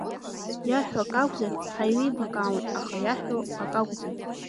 Иаҳҳәо акы акәзар, ҳаилибакаауан, аха иаҳҳәо акакәӡам.